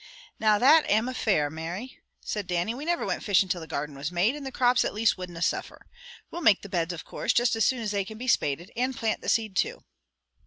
"Now, that amna fair, Mary," said Dannie. "We never went fishing till the garden was made, and the crops at least wouldna suffer. We'll make the beds, of course, juist as soon as they can be spaded, and plant the seed, too."